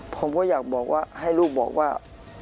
ผมก็อยากให้ลูกบอกว่า